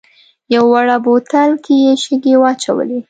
یوه واړه بوتل کې یې شګې واچولې.